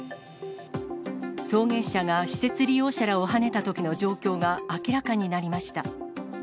送迎車が施設利用者らをはねたときの状況が明らかになりました。